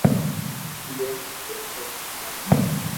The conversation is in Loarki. جي ني اپي سواري ڪيو هون